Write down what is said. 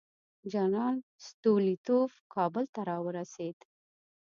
جنرال ستولیتوف کابل ته راورسېد.